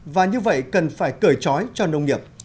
và như vậy cần phải cởi trói cho nông nghiệp